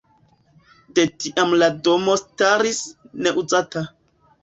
De tiam la domo staris neuzata.